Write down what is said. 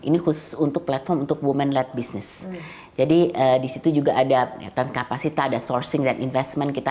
ini khusus untuk platform untuk women led business jadi di situ juga ada kapasita ada sourcing dan investment kita